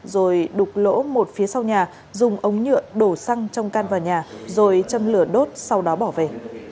rồi đục lỗ một phía sau nhà dùng ống nhựa đổ xăng trong can vào nhà rồi châm lửa đốt sau đó bỏ về